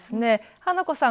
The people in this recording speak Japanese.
花子さん